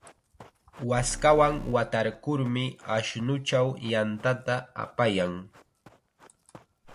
Waskawan watarkurmi ashnuchaw yantata apayan.